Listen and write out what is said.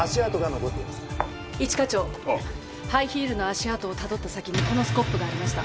一課長ハイヒールの足跡をたどった先にこのスコップがありました。